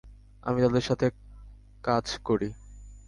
আমি তাদের সাথে কাছ করি।